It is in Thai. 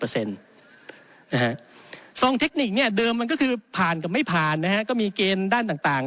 ซองเทคนิคเนี่ยเดิมมันก็คือผ่านกับไม่ผ่านนะฮะก็มีเกณฑ์ด้านต่าง